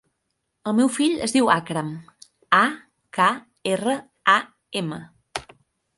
El meu fill es diu Akram: a, ca, erra, a, ema.